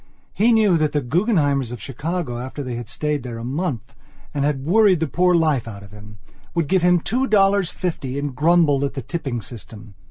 He knew that the Guggenheimers of Chicago, after they had stayed there a month and had worried the poor life out of him, would give him two dollars fifty and grumble at the tipping system.